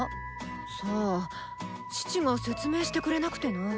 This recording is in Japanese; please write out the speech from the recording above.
さあ父が説明してくれなくてな。